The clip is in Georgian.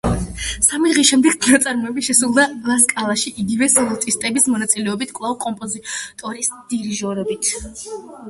სამი დღის შემდეგ ნაწარმოები შესრულდა ლა სკალაში იგივე სოლისტების მონაწილეობით, კვლავ კომპოზიტორის დირიჟორობით.